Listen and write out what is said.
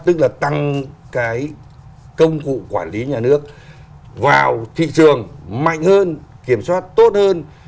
tức là tăng cái công cụ quản lý nhà nước vào thị trường mạnh hơn kiểm soát tốt hơn